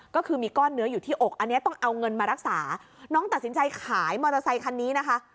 ก็คือมีก้อนเนื้ออยู่ที่อกอันนี้ต้องเอาเงินมารักษาน้องตัดสินใจขายมอเตอร์ไซคันนี้นะคะ